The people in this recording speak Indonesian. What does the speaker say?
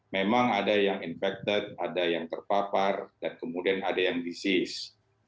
memang ada yang infected ada yang terpapar dan kemudian ada yang disease